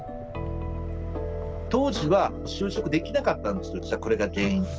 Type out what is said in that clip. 当時は、就職できなかったんですよ、実はこれが原因で。